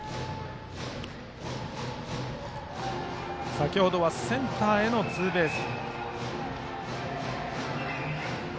先程はセンターへのツーベース。